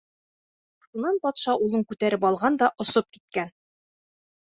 Шунан батша улын күтәреп алған да осоп киткән.